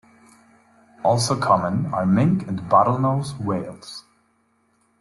Also common are minke and bottlenose whales.